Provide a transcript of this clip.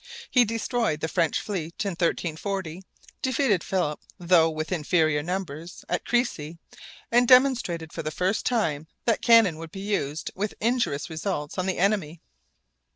He destroyed the French fleet in 1340, defeated Philip, though with inferior numbers, at Crécy, and demonstrated for the first time that cannon could be used with injurious results on the enemy.